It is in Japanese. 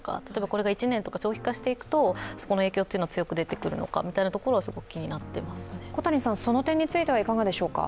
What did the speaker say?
これが１年とか長期化していくと、そこの影響が強く出てくるのかすごく気になっています。